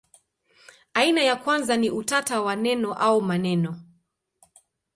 Aina ya kwanza ni utata wa neno au maneno.